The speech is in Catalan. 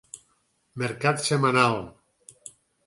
Mercat setmanal.